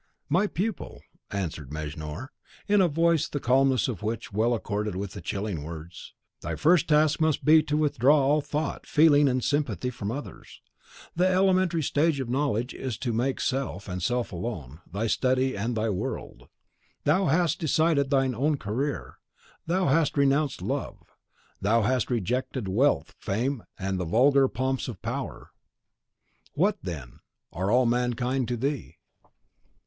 "My pupil!" answered Mejnour, in a voice the calmness of which well accorded with the chilling words, "thy first task must be to withdraw all thought, feeling, sympathy from others. The elementary stage of knowledge is to make self, and self alone, thy study and thy world. Thou hast decided thine own career; thou hast renounced love; thou hast rejected wealth, fame, and the vulgar pomps of power. What, then, are all mankind to thee?